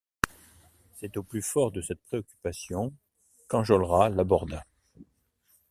C’est au plus fort de cette préoccupation qu’Enjolras l’aborda.